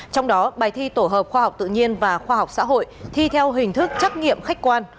trong đó bài thi tổ hợp khoa học tự nhiên và khoa học xã hội thi theo hình thức trắc nghiệm khách quan